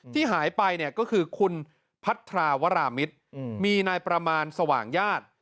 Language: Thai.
ที่หายไปเนี่ยก็คือคุณพัทราวรามิตรมีนายประมาณสว่างญาติ